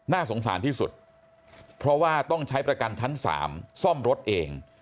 สงสารที่สุดเพราะว่าต้องใช้ประกันชั้น๓ซ่อมรถเอง